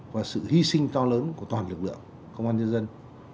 và sự hy sinh to lớn của toàn lực lượng công an nhân dân